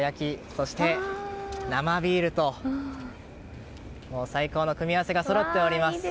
そして生ビールと最高の組み合わせがそろっております。